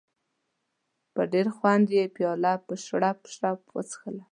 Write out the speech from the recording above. په ډېر خوند یې پیاله په شړپ شړپ وڅښله.